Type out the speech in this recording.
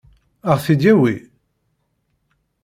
Ad ɣ-t-id-yawi?